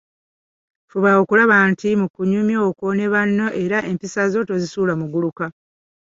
Fuba okulaba nti, mu kunyumya okwo ne banno era empisa zo tozisuula muguluka.